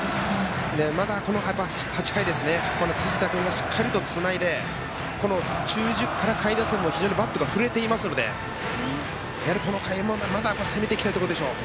まだこの８回ですね、辻田君がしっかりとつないで中軸から下位打線も非常にバットが振れていますのでこの回も攻めていきたいところでしょう。